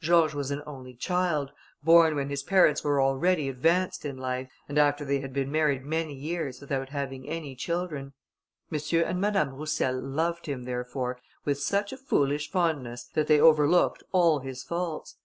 George was an only child, born when his parents were already advanced in life, and after they had been married many years without having any children. M. and Madame Roussel loved him, therefore, with such a foolish fondness, that they overlooked all his faults.